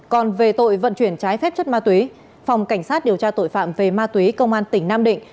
còn về tội vận chuyển trái phép chất ma túy phòng cảnh sát điều tra tội phạm về ma túy công an tỉnh nam định